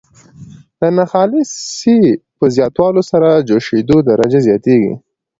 د ناخالصې په زیاتولو سره جوشیدو درجه زیاتیږي.